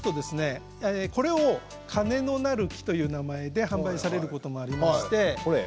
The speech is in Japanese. お店に行きますとこれを金のなる木という名前で販売されることもありまして。